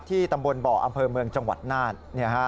ตำบลบ่ออำเภอเมืองจังหวัดน่าน